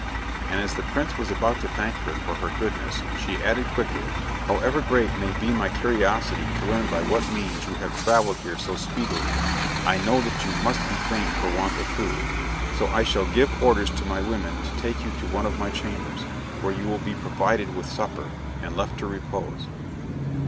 And as the prince was about to thank her for her goodness, she added quickly, "However great may be my curiosity to learn by what means you have travelled here so speedily, I know that you must be faint for want of food, so I shall give orders to my women to take you to one of my chambers, where you will be provided with supper, and left to repose."